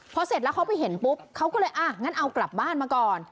พอเสร็จแล้วเขาไปเห็นปุ๊บเขาก็เลยอ่ะงั้นเอากลับบ้านมาก่อน